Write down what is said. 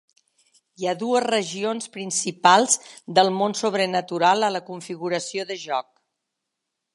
Hi ha dues regions principals del món sobrenatural a la configuració de joc.